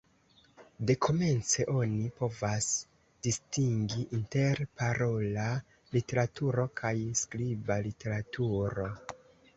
Dekomence oni povas distingi inter parola literaturo kaj skriba literaturo.